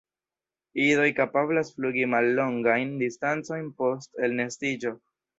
Idoj kapablas flugi mallongajn distancojn post elnestiĝo.